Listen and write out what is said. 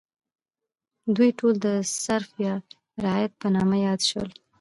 دوی ټول د سرف یا رعیت په نامه یاد شول.